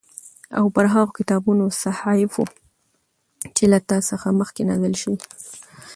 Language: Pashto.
او پر هغو کتابونو او صحيفو چې له تا څخه مخکې نازل شوي